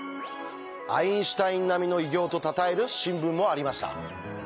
アインシュタイン並みの偉業とたたえる新聞もありました。